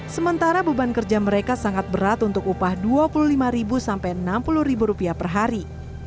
sementara beban kerja mereka sangat berat untuk upah rp dua puluh lima sampai rp enam puluh per hari